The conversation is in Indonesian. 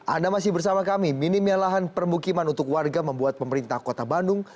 anda masih bersama kami minimnya lahan permukiman untuk warga membuat pemerintah kota bandung